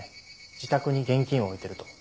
自宅に現金を置いていると。